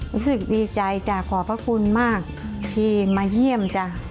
รู้สึกดีใจจ้ะขอบพระคุณมากที่มาเยี่ยมจ้ะ